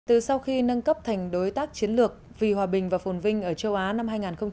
từ sau khi nâng cấp thành đối tác chiến lược vì hòa bình và phồn vinh ở châu á năm hai nghìn chín